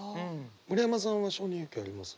村山さんは承認欲求あります？